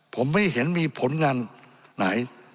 ผมไม่เห็นมีผลงานไหน